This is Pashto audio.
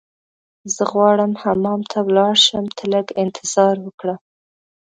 زه غواړم حمام ته ولاړ شم، ته لږ انتظار وکړه.